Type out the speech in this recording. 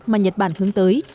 mà nhật bản hướng tới